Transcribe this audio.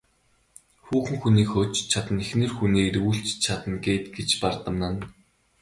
Хүүхэн хүнийг хөөж ч чадна, эхнэр хүнийг эргүүлж ч чадна гээд гэж бардамнана.